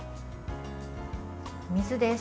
水です。